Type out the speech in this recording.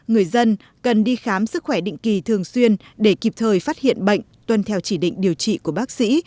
người dân cần đi khám sức khỏe định kỳ thường xuyên để kịp thời phát hiện bệnh tuân theo chỉ định điều trị của bác sĩ